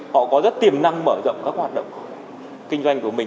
họ có rất tiềm năng mở rộng các hoạt động kinh doanh của mình